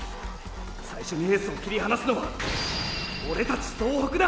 最初にエースを切り離すのはオレたち総北だ！